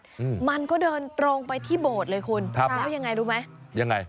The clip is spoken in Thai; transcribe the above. อืมมันก็เดินตรงไปที่โบสถ์เลยคุณครับแล้วยังไงรู้ไหมยังไง